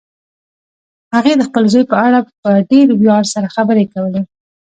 هغې د خپل زوی په اړه په ډېر ویاړ سره خبرې کولې